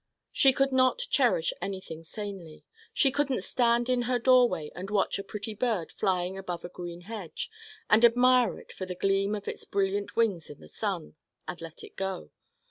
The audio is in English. she could not cherish anything sanely. She couldn't stand in her doorway and watch a pretty bird flying above a green hedge, and admire it for the gleam of its brilliant wings in the sun, and let it go.